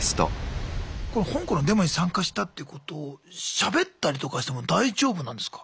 香港のデモに参加したってことをしゃべったりとかしても大丈夫なんですか？